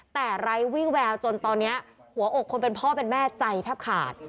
แต่ไร้วิแววจนตอนนี้หัวอกคนเป็นพ่อเป็นแม่ใจแทบขาด